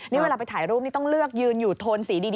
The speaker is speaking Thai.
นี่เวลาไปถ่ายรูปนี่ต้องเลือกยืนอยู่โทนสีดี